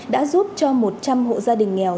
đã giúp cho một trăm linh hộ gia đình nghèo